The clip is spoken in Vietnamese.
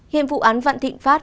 hiện vụ án vạn thịnh phát